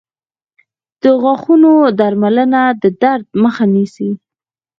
• د غاښونو درملنه د درد مخه نیسي.